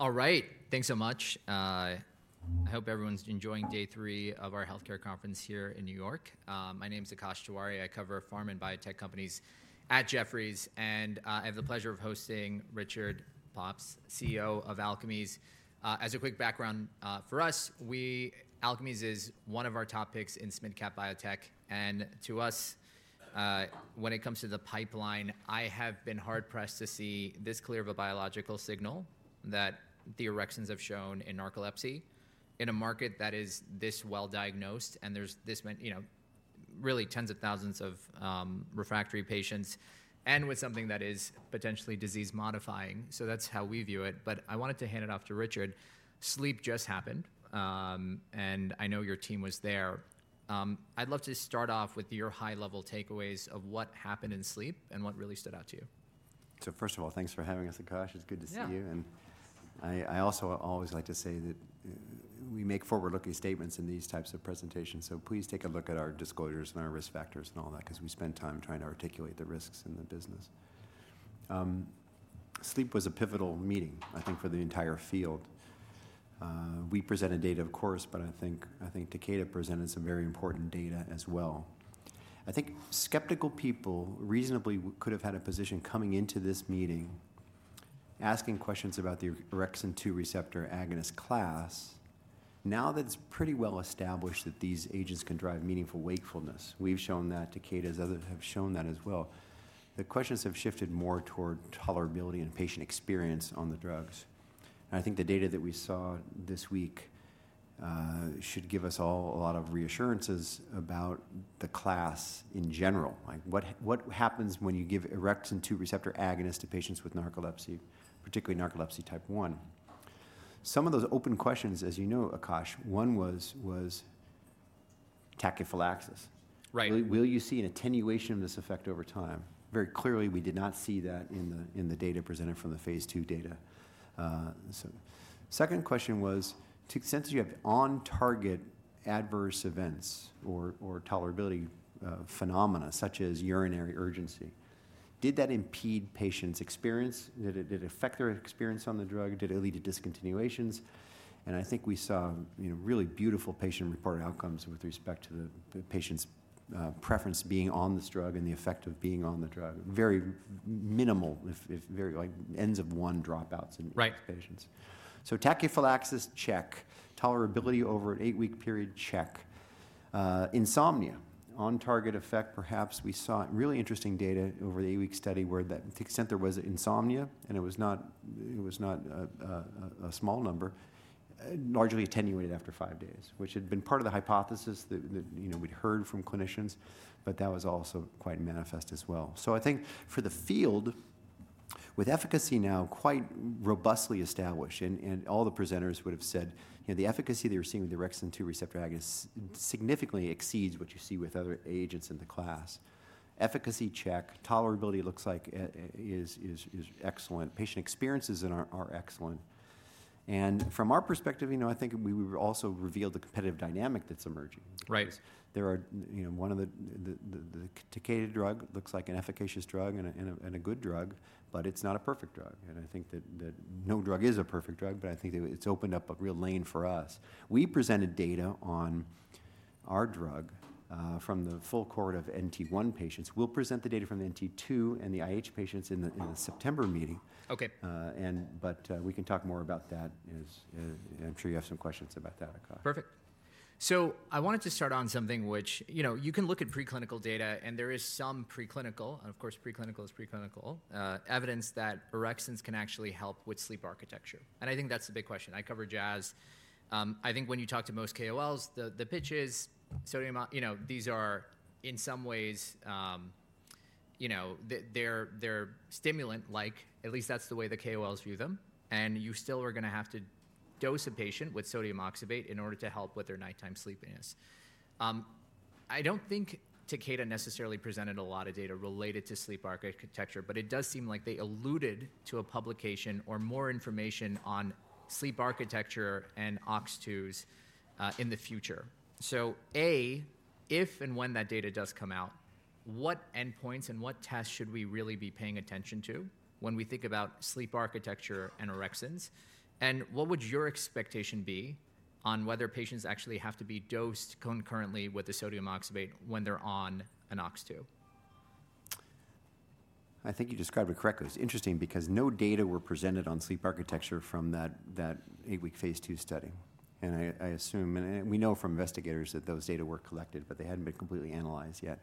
All right, thanks so much. I hope everyone's enjoying day three of our healthcare conference here in New York. My name is Akash Tewari. I cover pharma and biotech companies at Jefferies, and I have the pleasure of hosting Richard Pops, CEO of Alkermes. As a quick background, for us, Alkermes is one of our top picks in mid-cap biotech, and to us, when it comes to the pipeline, I have been hard-pressed to see this clear of a biological signal that the orexins have shown in narcolepsy, in a market that is this well diagnosed, and there's this many, you know, really tens of thousands of refractory patients, and with something that is potentially disease modifying. So that's how we view it, but I wanted to hand it off to Richard. SLEEP just happened, and I know your team was there. I'd love to start off with your high-level takeaways of what happened in SLEEP and what really stood out to you. First of all, thanks for having us, Akash. It's good to see you. Yeah. I also always like to say that we make forward-looking statements in these types of presentations, so please take a look at our disclosures and our risk factors and all that, 'cause we spend time trying to articulate the risks in the business. SLEEP was a pivotal meeting, I think, for the entire field. We presented data, of course, but I think, I think Takeda presented some very important data as well. I think skeptical people reasonably could have had a position coming into this meeting, asking questions about the orexin 2 receptor agonist class. Now that it's pretty well established that these agents can drive meaningful wakefulness, we've shown that, Takeda's, others have shown that as well. The questions have shifted more toward tolerability and patient experience on the drugs, and I think the data that we saw this week should give us all a lot of reassurances about the class in general. Like what, what happens when you give orexin 2 receptor agonist to patients with narcolepsy, particularly narcolepsy type one? Some of those open questions, as you know, Akash, one was, was tachyphylaxis. Right. Will, will you see an attenuation of this effect over time? Very clearly, we did not see that in the data presented from the phase II data. So second question was, to the extent you have on-target adverse events or tolerability phenomena such as urinary urgency, did that impede patients' experience? Did it, did it affect their experience on the drug? Did it lead to discontinuations? And I think we saw, you know, really beautiful patient-reported outcomes with respect to the patients' preference being on this drug and the effect of being on the drug. Very minimal, if very, like, Ns of 1 dropouts in- Right... patients. So tachyphylaxis, check. Tolerability over an eight-week period, check. Insomnia, on-target effect, perhaps we saw really interesting data over the eight-week study where the extent there was insomnia, and it was not a small number, largely attenuated after five days, which had been part of the hypothesis that you know, we'd heard from clinicians, but that was also quite manifest as well. So I think for the field, with efficacy now quite robustly established, and all the presenters would have said, you know, the efficacy they were seeing with the orexin 2 receptor agonist significantly exceeds what you see with other agents in the class. Efficacy, check. Tolerability looks like is excellent. Patient experiences are excellent. And from our perspective, you know, I think we also revealed the competitive dynamic that's emerging. Right. There are, you know, one of the Takeda drug looks like an efficacious drug and a good drug, but it's not a perfect drug. And I think that no drug is a perfect drug, but I think that it's opened up a real lane for us. We presented data on our drug from the full cohort of NT1 patients. We'll present the data from the NT2 and the IH patients in the September meeting. Okay. But we can talk more about that as... I'm sure you have some questions about that, Akash. Perfect. So I wanted to start on something which, you know, you can look at preclinical data, and there is some preclinical, and of course, preclinical is preclinical, evidence that orexins can actually help with sleep architecture, and I think that's the big question. I cover Jazz. I think when you talk to most KOLs, the, the pitch is sodium, you know, these are in some ways, they're stimulant-like. At least that's the way the KOLs view them, and you still are gonna have to dose a patient with sodium oxybate in order to help with their nighttime sleepiness. I don't think Takeda necessarily presented a lot of data related to sleep architecture, but it does seem like they alluded to a publication or more information on sleep architecture and OX2s, in the future. A, if and when that data does come out, what endpoints and what tests should we really be paying attention to when we think about sleep architecture and orexins? What would your expectation be on whether patients actually have to be dosed concurrently with the sodium oxybate when they're on an OX2? I think you described it correctly. It's interesting because no data were presented on sleep architecture from that, that eight-week phase II study. And I, I assume and we know from investigators that those data were collected, but they hadn't been completely analyzed yet.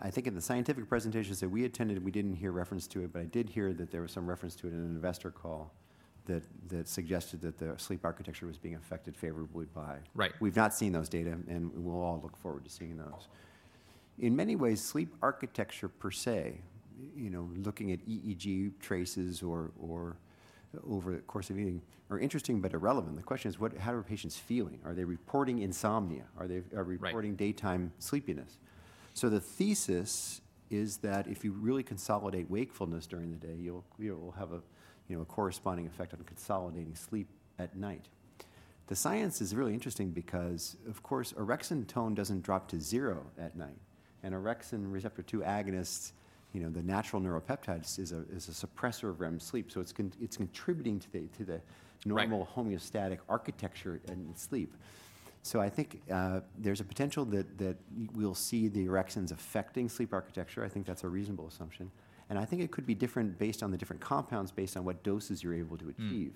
I think in the scientific presentations that we attended, we didn't hear reference to it, but I did hear that there was some reference to it in an investor call that, that suggested that the sleep architecture was being affected favorably by. Right. We've not seen those data, and we'll all look forward to seeing those. In many ways, sleep architecture per se, you know, looking at EEG traces or, or over the course of evening, are interesting but irrelevant. The question is, what, how are patients feeling? Are they reporting insomnia? Are they- Right... are reporting daytime sleepiness? So the thesis is that if you really consolidate wakefulness during the day, you'll, you know, will have a, you know, a corresponding effect on consolidating sleep at night.... The science is really interesting because, of course, orexin tone doesn't drop to zero at night, and orexin 2 receptor agonists, you know, the natural neuropeptides is a, is a suppressor of REM sleep, so it's contributing to the, to the- Right normal homeostatic architecture in sleep. So I think, there's a potential that we'll see the orexins affecting sleep architecture. I think that's a reasonable assumption, and I think it could be different based on the different compounds, based on what doses you're able to achieve.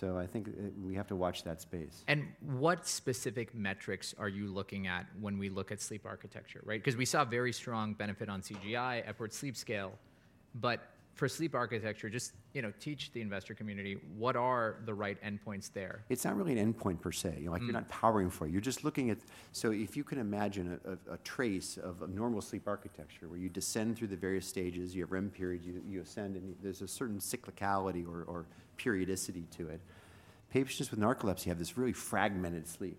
Mm. I think, we have to watch that space. What specific metrics are you looking at when we look at sleep architecture, right? 'Cause we saw very strong benefit on CGI, Epworth Sleepiness Scale, but for sleep architecture, just, you know, teach the investor community what are the right endpoints there? It's not really an endpoint per se. Mm. You know, like, you're not powering for it. You're just looking at. So if you can imagine a trace of a normal sleep architecture, where you descend through the various stages, you have REM periods, you ascend, and there's a certain cyclicality or periodicity to it. Patients with narcolepsy have this really fragmented sleep,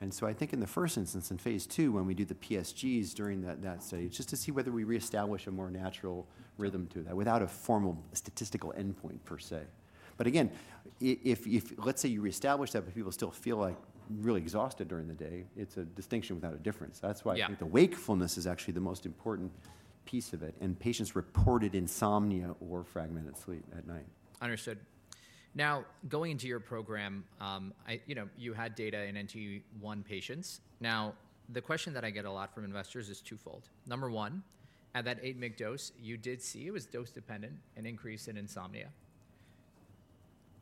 and so I think in the first instance, in phase II, when we do the PSGs during that study, just to see whether we reestablish a more natural rhythm to that without a formal statistical endpoint per se. But again, if, if... Let's say you reestablish that, but people still feel, like, really exhausted during the day, it's a distinction without a difference. Yeah. That's why I think the wakefulness is actually the most important piece of it, and patients reported insomnia or fragmented sleep at night. Understood. Now, going into your program, you know, you had data in NT1 patients. Now, the question that I get a lot from investors is twofold. Number one, at that 8 mg dose, you did see it was dose-dependent, an increase in insomnia.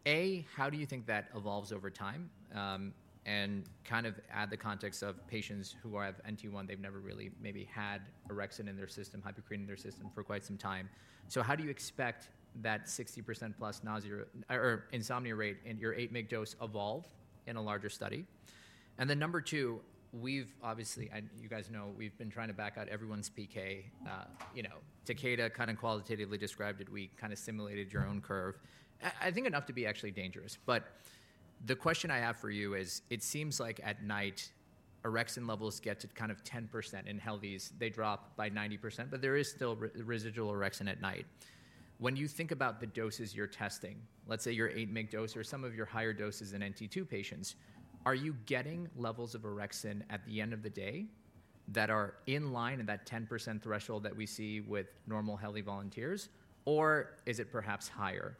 A, how do you think that evolves over time? And kind of add the context of patients who have NT1, they've never really maybe had orexin in their system, hypocretin in their system for quite some time. So how do you expect that 60% plus nausea or, or insomnia rate in your 8 mg dose evolve in a larger study? And then number two, we've obviously, and you guys know, we've been trying to back out everyone's PK. You know, Takeda kind of qualitatively described it. We kind of simulated your own curve. I think enough to be actually dangerous, but the question I have for you is, it seems like at night, orexin levels get to kind of 10% in healthies. They drop by 90%, but there is still residual orexin at night. When you think about the doses you're testing, let's say your 8 mg dose or some of your higher doses in NT2 patients, are you getting levels of orexin at the end of the day that are in line with that 10% threshold that we see with normal healthy volunteers, or is it perhaps higher?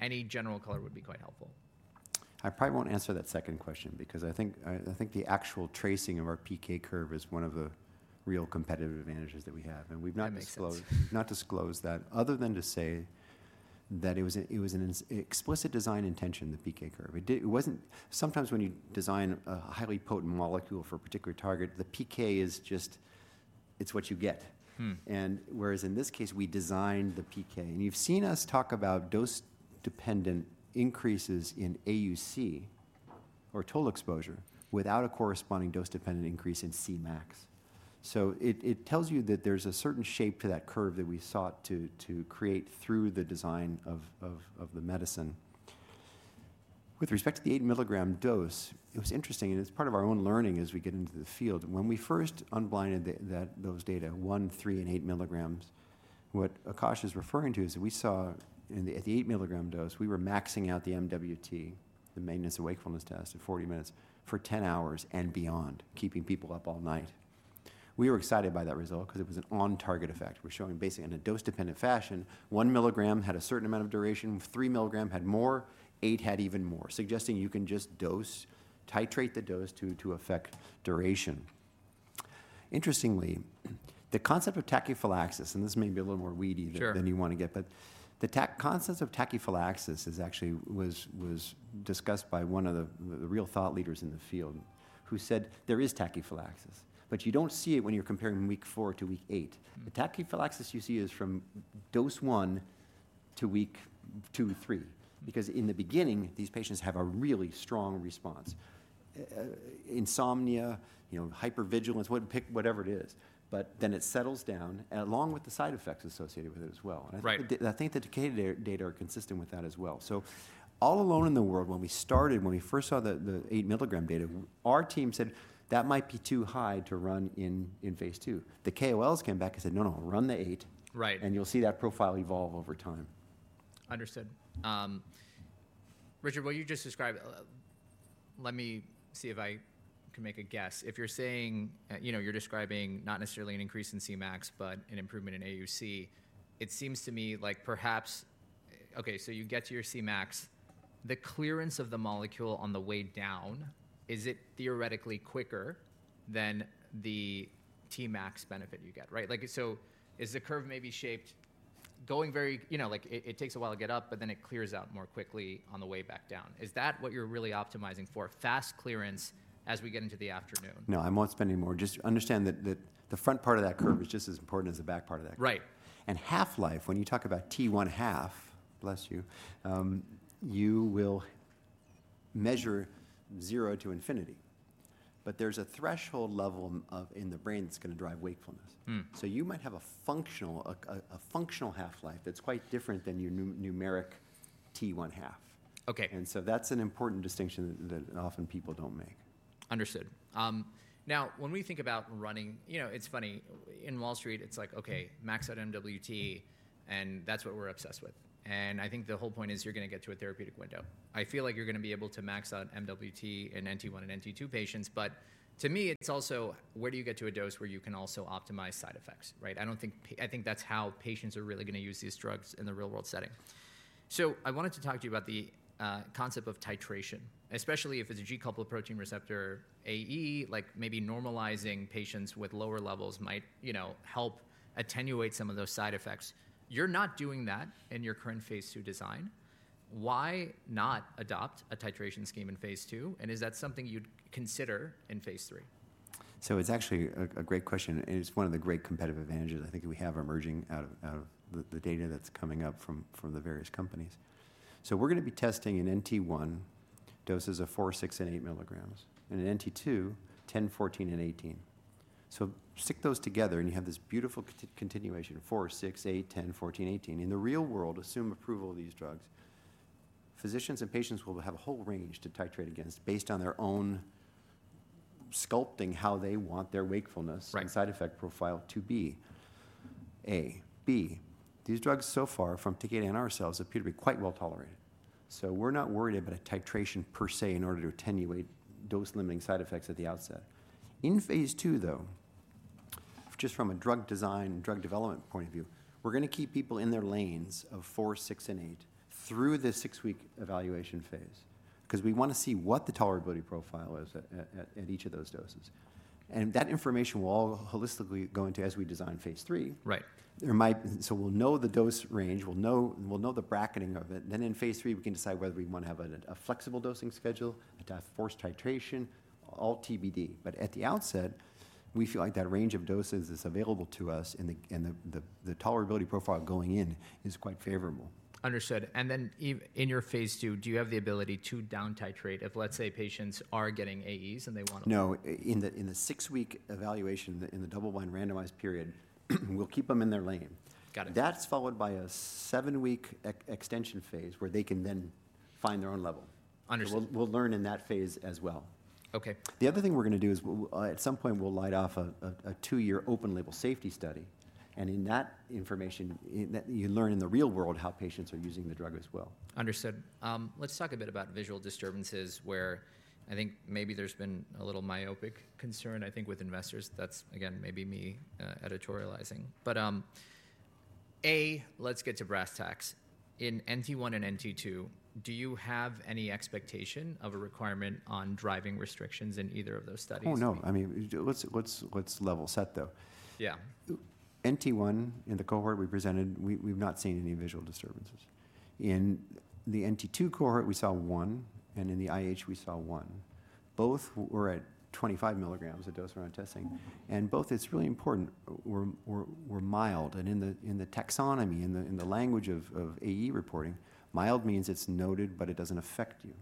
Any general color would be quite helpful. I probably won't answer that second question because I think the actual tracing of our PK curve is one of the real competitive advantages that we have, and we've not disclosed- That makes sense. We've not disclosed that other than to say that it was an explicit design intention, the PK curve. It wasn't. Sometimes when you design a highly potent molecule for a particular target, the PK is just, it's what you get. Mm. Whereas in this case, we designed the PK, and you've seen us talk about dose-dependent increases in AUC or total exposure without a corresponding dose-dependent increase in Cmax. So it tells you that there's a certain shape to that curve that we sought to create through the design of the medicine. With respect to the 8 mg dose, it was interesting, and it's part of our own learning as we get into the field. When we first unblinded those data, one, three, and 8 mg, what Akash is referring to is that we saw at the 8mg dose, we were maxing out the MWT, the Maintenance and Wakefulness Test, at 40 minutes for 10 hours and beyond, keeping people up all night. We were excited by that result because it was an on-target effect. We're showing basically on a dose-dependent fashion, 1 mg had a certain amount of duration, 3 mg had more, 8 had even more, suggesting you can just dose, titrate the dose to, to affect duration. Interestingly, the concept of tachyphylaxis, and this may be a little more weedy- Sure... than you want to get, but the concepts of tachyphylaxis is actually was discussed by one of the real thought leaders in the field, who said there is tachyphylaxis, but you don't see it when you're comparing week four to week eight. Mm. The tachyphylaxis you see is from dose one to week two, three, because in the beginning, these patients have a really strong response. Insomnia, you know, hypervigilance, what, pick whatever it is, but then it settles down, along with the side effects associated with it as well. Right. I think the Takeda data are consistent with that as well. So all alone in the world, when we started, when we first saw the 8 mg data, our team said, "That might be too high to run in phase II." The KOLs came back and said, "No, no, run the eight- Right and you'll see that profile evolve over time. Understood. Richard, what you just described, let me see if I can make a guess. If you're saying, you know, you're describing not necessarily an increase in Cmax, but an improvement in AUC, it seems to me like perhaps... Okay, so you get to your Cmax, the clearance of the molecule on the way down, is it theoretically quicker than the Tmax benefit you get, right? Like, so is the curve maybe shaped, going very, you know, like it, it takes a while to get up, but then it clears out more quickly on the way back down. Is that what you're really optimizing for, fast clearance as we get into the afternoon? No, I won't spend any more. Just understand that the front part of that curve- Mm is just as important as the back part of that curve. Right. Half-life, when you talk about T½, bless you, you will measure zero to infinity, but there's a threshold level of in the brain that's gonna drive wakefulness. Mm. So you might have a functional half-life that's quite different than your numeric T½. Okay. That's an important distinction that often people don't make.... Understood. Now, when we think about running, you know, it's funny, in Wall Street, it's like, okay, max out MWT, and that's what we're obsessed with. And I think the whole point is you're gonna get to a therapeutic window. I feel like you're gonna be able to max out MWT in NT1 and NT2 patients, but to me, it's also where do you get to a dose where you can also optimize side effects, right? I don't think—I think that's how patients are really gonna use these drugs in the real-world setting. So I wanted to talk to you about the concept of titration, especially if it's a G-protein coupled receptor AE, like maybe normalizing patients with lower levels might, you know, help attenuate some of those side effects. You're not doing that in your current phase II design. Why not adopt a titration scheme in phase II, and is that something you'd consider in phase III? So it's actually a great question, and it's one of the great competitive advantages I think we have emerging out of the data that's coming up from the various companies. So we're gonna be testing in NT1 doses of four, six, and 8 mg, and in NT2, 10, 14, and 18. So stick those together, and you have this beautiful continuation of four, six, eight, 10, 14, 18. In the real world, assume approval of these drugs, physicians and patients will have a whole range to titrate against based on their own sculpting how they want their wakefulness- Right... and side effect profile to be A, B these drugs so far from testing in ourselves appear to be quite well tolerated. So we're not worried about a titration per se, in order to attenuate dose-limiting side effects at the outset. In phase II, though, just from a drug design, drug development point of view, we're gonna keep people in their lanes of four, six, and eight through the six-week evaluation phase, 'cause we wanna see what the tolerability profile is at each of those doses. And that information will all holistically go into as we design phase III. Right. So we'll know the dose range, we'll know the bracketing of it. Then in phase III, we can decide whether we wanna have a flexible dosing schedule, a dose forced titration, all TBD. But at the outset, we feel like that range of doses is available to us, and the tolerability profile going in is quite favorable. Understood. And then in your phase II, do you have the ability to down titrate if, let's say, patients are getting AEs and they want to? No. In the six-week evaluation, in the double-blind randomized period, we'll keep them in their lane. Got it. That's followed by a seven-week extension phase, where they can then find their own level. Understood. We'll learn in that phase as well. Okay. The other thing we're gonna do is at some point, we'll light off a two-year open label safety study, and in that information that you learn in the real world how patients are using the drug as well. Understood. Let's talk a bit about visual disturbances, where I think maybe there's been a little myopic concern, I think, with investors. That's, again, maybe me, editorializing. But, let's get to brass tacks. In NT1 and NT2, do you have any expectation of a requirement on driving restrictions in either of those studies? Oh, no. I mean, let's level set, though. Yeah. NT1, in the cohort we presented, we've not seen any visual disturbances. In the NT2 cohort, we saw one, and in the IH, we saw one. Both were at 25 mg, the dose we're testing, and both, it's really important, were mild. And in the taxonomy, in the language of AE reporting, mild means it's noted, but it doesn't affect you.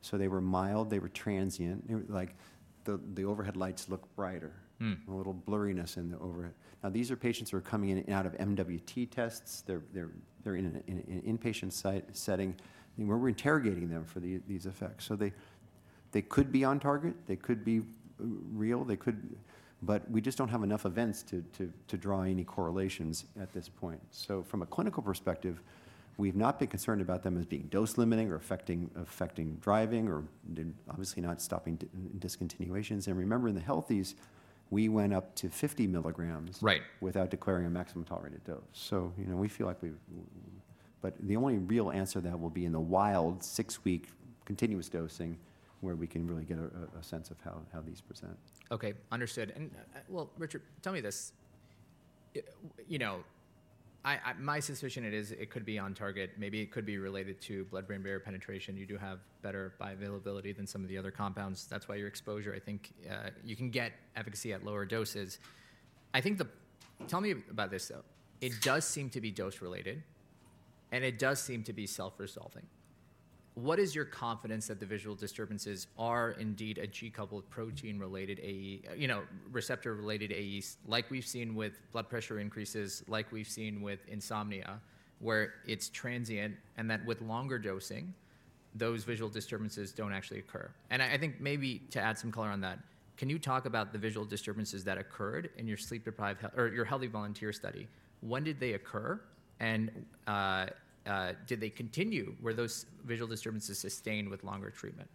So they were mild, they were transient. They were like, the overhead lights look brighter. Hmm. A little blurriness in the overhead. Now, these are patients who are coming in out of MWT tests. They're in an inpatient site setting, and we're interrogating them for these effects. So they could be on target, they could be real, they could... But we just don't have enough events to draw any correlations at this point. So from a clinical perspective, we've not been concerned about them as being dose limiting or affecting driving or obviously not stopping discontinuations. And remember, in the healthies, we went up to 50 mg- Right... without declaring a maximum tolerated dose. So, you know, we feel like we've. But the only real answer to that will be in the wild, six-week continuous dosing, where we can really get a sense of how these present. Okay, understood. Well, Richard, tell me this, you know, my suspicion it is, it could be on target, maybe it could be related to blood-brain barrier penetration. You do have better bioavailability than some of the other compounds. That's why your exposure, I think, you can get efficacy at lower doses. I think. Tell me about this, though. It does seem to be dose related, and it does seem to be self-resolving. What is your confidence that the visual disturbances are indeed a G-protein-coupled receptor-related AE, you know, receptor-related AEs, like we've seen with blood pressure increases, like we've seen with insomnia, where it's transient, and that with longer dosing, those visual disturbances don't actually occur? And I think maybe to add some color on that, can you talk about the visual disturbances that occurred in your sleep-deprived healthy volunteer study? When did they occur, and did they continue? Were those visual disturbances sustained with longer treatment?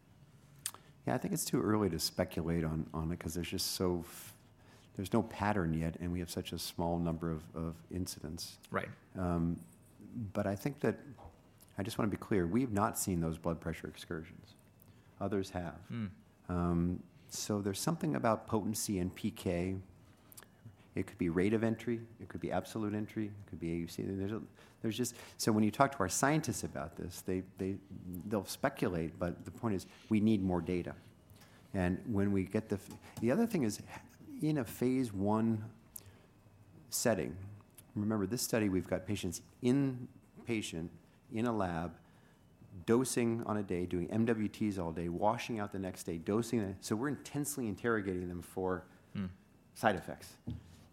Yeah, I think it's too early to speculate on it 'cause there's just so, there's no pattern yet, and we have such a small number of incidents. Right. But I think that... I just wanna be clear, we've not seen those blood pressure excursions. Others have. Hmm. So there's something about potency and PK. It could be rate of entry, it could be absolute entry, it could be AUC. So when you talk to our scientists about this, they, they'll speculate, but the point is, we need more data. The other thing is, in a phase I setting, remember, this study, we've got patients in-patient, in a lab, dosing on a day, doing MWTs all day, washing out the next day, dosing, so we're intensely interrogating them for- Hmm... side effects.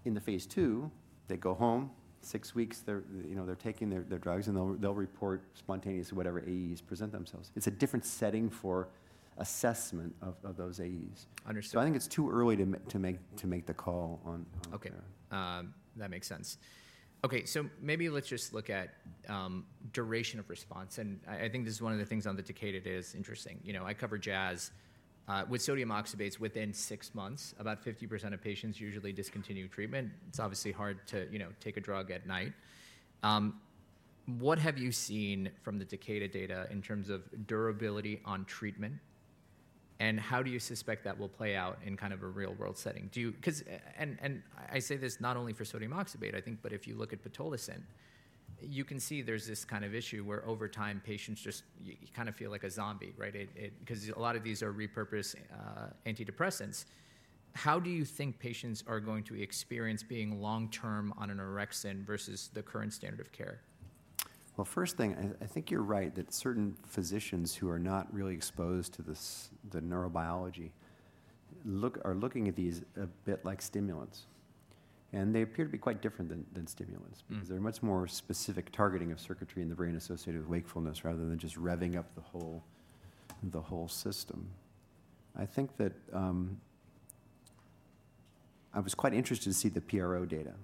In the phase II, they go home, six weeks, they're, you know, taking their drugs, and they'll report spontaneously whatever AEs present themselves. It's a different setting for assessment of those AEs. Understood. I think it's too early to make the call on. Okay. That makes sense. Okay, so maybe let's just look at, duration of response, and I, I think this is one of the things on the Takeda that is interesting. You know, I cover Jazz. With sodium oxybate's within six months, about 50% of patients usually discontinue treatment. It's obviously hard to, you know, take a drug at night. What have you seen from the Takeda data in terms of durability on treatment, and how do you suspect that will play out in kind of a real-world setting? Do you— 'cause—and I say this not only for sodium oxybate, I think, but if you look at pitolisant, you can see there's this kind of issue where, over time, patients just you kind of feel like a zombie, right? It, it— 'cause a lot of these are repurposed, antidepressants. How do you think patients are going to experience being long-term on an orexin versus the current standard of care? Well, first thing, I think you're right, that certain physicians who are not really exposed to this, the neurobiology, are looking at these a bit like stimulants, and they appear to be quite different than stimulants- Mm. Because they're much more specific targeting of circuitry in the brain associated with wakefulness, rather than just revving up the whole, the whole system. I think that I was quite interested to see the PRO data.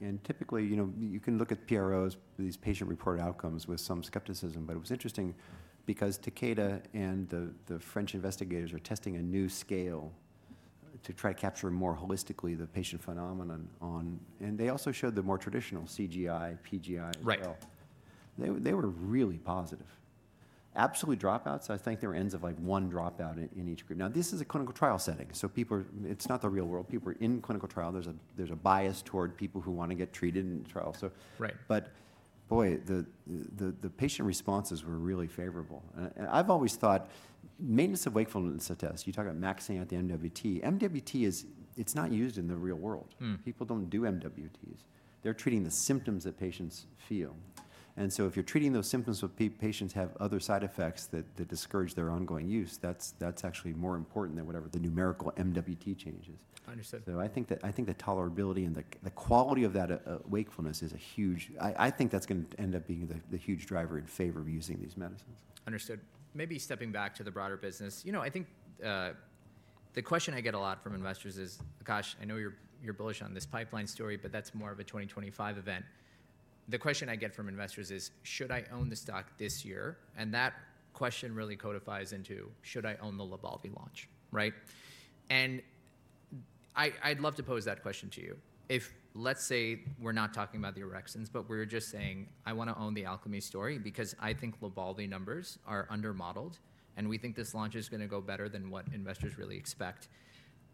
And typically, you know, you can look at PROs, these patient-reported outcomes, with some skepticism, but it was interesting because Takeda and the French investigators are testing a new scale to try to capture more holistically the patient phenomenon on... And they also showed the more traditional CGI, PGI as well. Right. They were really positive. Absolutely, dropouts, I think there were ends of, like, one dropout in each group. Now, this is a clinical trial setting, so people are—it's not the real world. People are in clinical trial. There's a bias toward people who wanna get treated in the trial, so- Right. But boy, the patient responses were really favorable. And I've always thought Maintenance of Wakefulness Test, you talk about maxing out the MWT. MWT is, it's not used in the real world. Mm. People don't do MWTs. They're treating the symptoms that patients feel, and so if you're treating those symptoms, but patients have other side effects that discourage their ongoing use, that's actually more important than whatever the numerical MWT change is. Understood. So I think the tolerability and the quality of that wakefulness is a huge... I think that's gonna end up being the huge driver in favor of using these medicines. Understood. Maybe stepping back to the broader business, you know, I think, the question I get a lot from investors is, "Akash, I know you're, you're bullish on this pipeline story, but that's more of a 2025 event." The question I get from investors is: Should I own the stock this year? And that question really codifies into: Should I own the Lybalvi launch, right? And I, I'd love to pose that question to you. If, let's say, we're not talking about the orexins, but we're just saying, "I wanna own the Alkermes story, because I think Lybalvi numbers are under-modeled, and we think this launch is gonna go better than what investors really expect."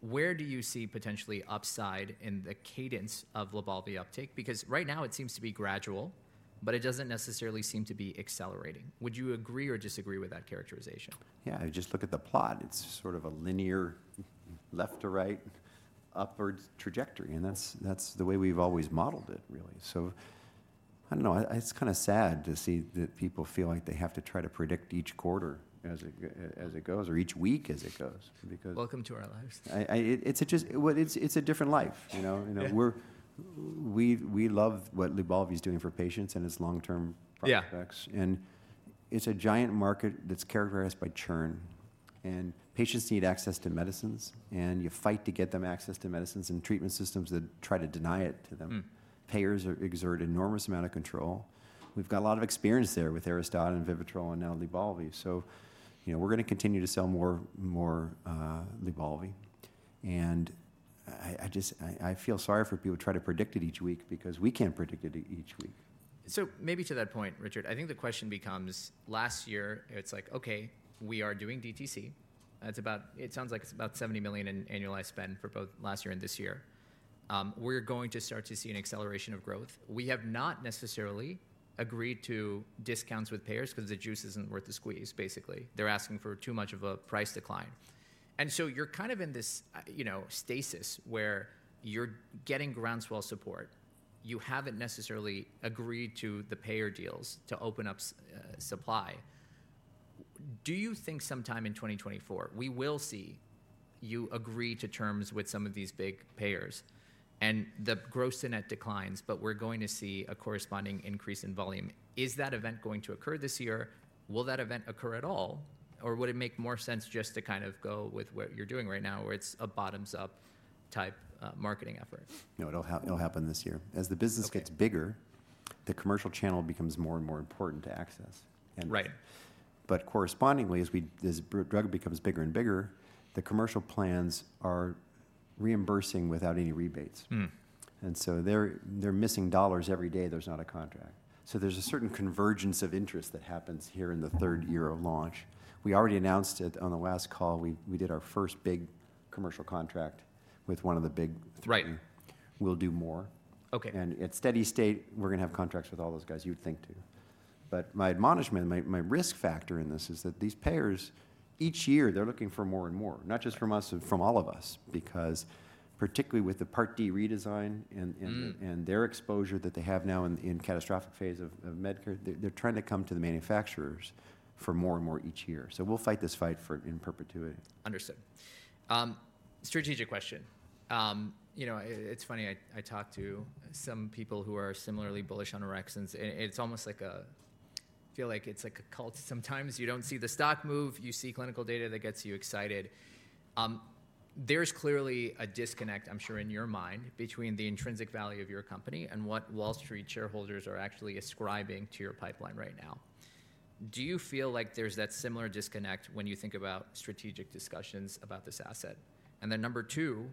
Where do you see potentially upside in the cadence of Lybalvi uptake? Because right now, it seems to be gradual, but it doesn't necessarily seem to be accelerating. Would you agree or disagree with that characterization? Yeah, just look at the plot. It's sort of a linear, left to right, upwards trajectory, and that's, that's the way we've always modeled it, really. So I don't know. I, it's kind of sad to see that people feel like they have to try to predict each quarter as it goes, or each week as it goes, because- Welcome to our lives. It's just. Well, it's a different life, you know? Yeah. You know, we love what Lybalvi is doing for patients and its long-term product effects. Yeah. It's a giant market that's characterized by churn, and patients need access to medicines, and you fight to get them access to medicines, and treatment systems that try to deny it to them. Mm. Payers exert an enormous amount of control. We've got a lot of experience there with Aristada and VIVITROL, and now Lybalvi. So, you know, we're gonna continue to sell more, more, Lybalvi, and I just feel sorry for people who try to predict it each week because we can't predict it each week. So maybe to that point, Richard, I think the question becomes, last year, it's like, okay, we are doing DTC. That's about, it sounds like it's about $70 million in annualized spend for both last year and this year. We're going to start to see an acceleration of growth. We have not necessarily agreed to discounts with payers because the juice isn't worth the squeeze, basically. They're asking for too much of a price decline. And so you're kind of in this, you know, stasis, where you're getting groundswell support. You haven't necessarily agreed to the payer deals to open up supply. Do you think sometime in 2024, we will see you agree to terms with some of these big payers, and the gross to net declines, but we're going to see a corresponding increase in volume? Is that event going to occur this year? Will that event occur at all, or would it make more sense just to kind of go with what you're doing right now, where it's a bottoms-up type marketing effort? No, it'll happen this year. Okay. As the business gets bigger, the commercial channel becomes more and more important to access, and- Right. But correspondingly, as this branded drug becomes bigger and bigger, the commercial plans are reimbursing without any rebates. Mm. And so they're missing dollars every day there's not a contract. So there's a certain convergence of interest that happens here in the third year of launch. We already announced it on the last call. We did our first big commercial contract with one of the big three. Right. We'll do more. Okay. At steady state, we're gonna have contracts with all those guys you'd think, too. But my admonishment, my risk factor in this is that these payers, each year, they're looking for more and more, not just from us- Right... from all of us. Because particularly with the Part D redesign and Mm... and their exposure that they have now in the catastrophic phase of Medicare, they're trying to come to the manufacturers for more and more each year. So we'll fight this fight in perpetuity. Understood. Strategic question. You know, it's funny, I talked to some people who are similarly bullish on orexins, and it's almost like, feel like it's like a cult sometimes. You don't see the stock move, you see clinical data that gets you excited. There's clearly a disconnect, I'm sure, in your mind, between the intrinsic value of your company and what Wall Street shareholders are actually ascribing to your pipeline right now. Do you feel like there's that similar disconnect when you think about strategic discussions about this asset? And then number two,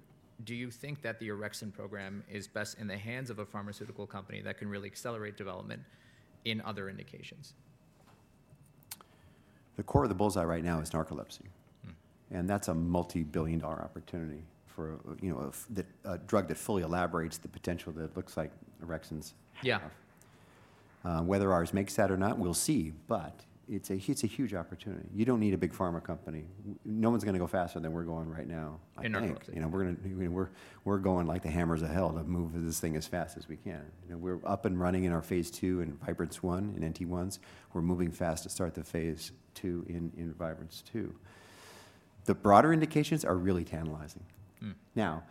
do you think that the orexin program is best in the hands of a pharmaceutical company that can really accelerate development in other indications? The core of the bullseye right now is narcolepsy. Mm-hmm. That's a multi-billion-dollar opportunity for, you know, a drug that fully elaborates the potential that it looks like orexins have. Yeah. Whether ours makes that or not, we'll see. But it's a huge opportunity. You don't need a big pharma company. No one's gonna go faster than we're going right now- In narcolepsy. I think. You know, we're gonna, we're going like the hammers of hell to move this thing as fast as we can. You know, we're up and running in our phase 2 in Vibrance-1, in NT1s. We're moving fast to start the phase 2 in Vibrance-2. The broader indications are really tantalizing. Mm. Now,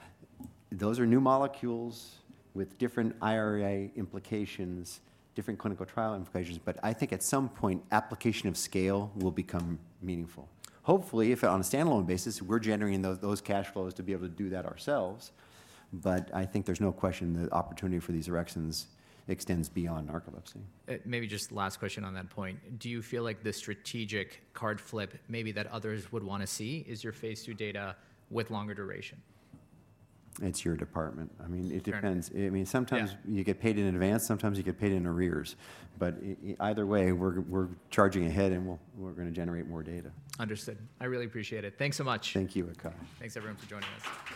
those are new molecules with different IRA implications, different clinical trial implications, but I think at some point, application of scale will become meaningful. Hopefully, if on a standalone basis, we're generating those cash flows to be able to do that ourselves, but I think there's no question the opportunity for these orexins extends beyond narcolepsy. Maybe just last question on that point. Do you feel like the strategic card flip, maybe that others would wanna see, is your phase II data with longer duration? It's your department. I mean- Fair... it depends. I mean, sometimes- Yeah You get paid in advance, sometimes you get paid in arrears. But either way, we're charging ahead, and we're gonna generate more data. Understood. I really appreciate it. Thanks so much. Thank you, Akash. Thanks, everyone, for joining us.